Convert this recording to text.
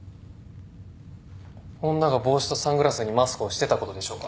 女が帽子とサングラスにマスクをしてたことでしょうか。